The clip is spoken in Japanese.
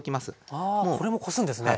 あこれもこすんですね。